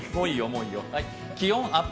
気温アップ